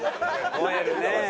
ほえるね。